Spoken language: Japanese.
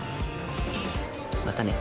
またね。